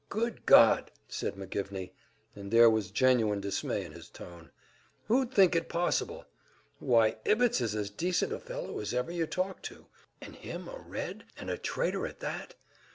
"Good God!" said McGivney, and there was genuine dismay in his tone. "Who'd think it possible? Why, Ibbetts is as decent a fellow as ever you talked to and him a Red, and a traitor at that!